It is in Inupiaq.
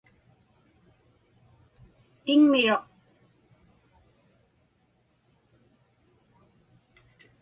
Tiŋmiruq.